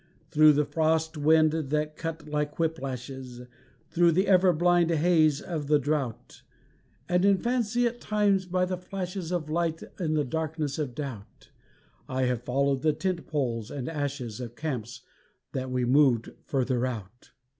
Through the frost wind that cut like whip lashes, Through the ever blind haze of the drought And in fancy at times by the flashes Of light in the darkness of doubt I have followed the tent poles and ashes Of camps that we moved further out.